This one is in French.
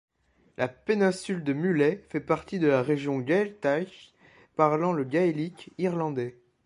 La péninsule de Mullet fait partie de la région Gaeltacht, parlant le gaélique irlandais.